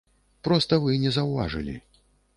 Проста вы не заўважылі.